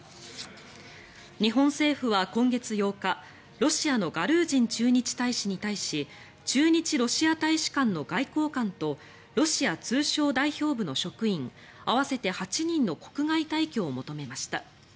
日本政府は今月８日、ロシアのガルージン駐日大使に対し駐日ロシア大使館の外交官とロシア通商代表部の職員合わせて８人の国外退去を求めました。